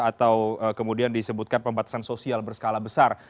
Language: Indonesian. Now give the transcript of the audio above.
atau kemudian disebutkan pembatasan sosial berskala besar